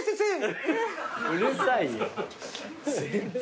うるさいよ。